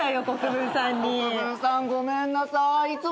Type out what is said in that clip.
国分さんごめんなさい。